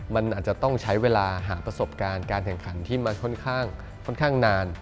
มันอาจจะต้องใช้เวลาหาประสบการณ์การแข่งขันที่มันค่อนข้างนาน